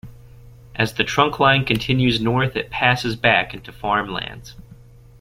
As the trunkline continues north, it passes back into farm lands.